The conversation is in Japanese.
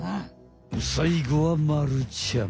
さいごはまるちゃん。